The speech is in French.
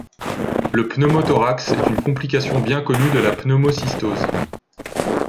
Le pneumothorax est une complication bien connue de la pneumocystose.